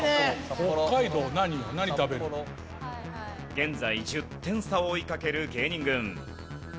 現在１０点差を追いかける芸人軍。